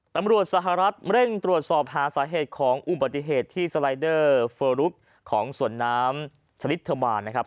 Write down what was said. ตำรวจสหรัฐเร่งตรวจสอบหาสาเหตุของอุบัติเหตุที่สไลเดอร์เฟอร์ลุกของสวนน้ำชนิดเทอร์มานนะครับ